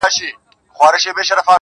خو نه څانګه په دنیا کي میندل کېږي،